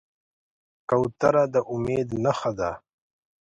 کوتره د امید نښه ده.